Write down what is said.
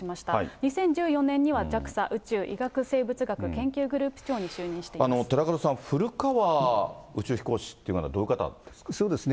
２０１４年にはＪＡＸＡ宇宙医学生物学研究グループ長に就任して寺門さん、古川宇宙飛行士っていうのはどういう方ですか。